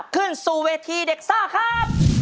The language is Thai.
ขึ้นสู่เวทีเด็กซ่าครับ